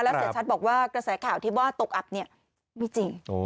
เสียชัดบอกว่ากระแสข่าวที่ว่าตกอับเนี่ยไม่จริง